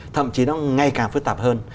thậm chí nó ngay càng phức tạp hơn